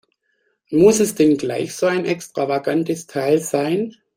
Muss es denn gleich so ein extravagantes Teil sein?